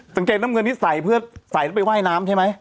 จังเกดน้ำเงินนี้ใส่เพื่อไปว่ายน้ำใช่ไหม